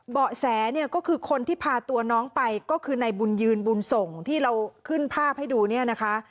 แสเนี่ยก็คือคนที่พาตัวน้องไปก็คือในบุญยืนบุญส่งที่เราขึ้นภาพให้ดูเนี่ยนะคะ